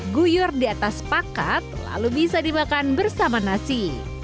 guyur di atas pakat lalu bisa dimakan bersama nasi